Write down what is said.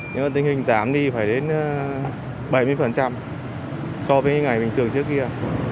nhưng mà tình hình giảm đi phải đến bảy mươi so với ngày bình thường trước kia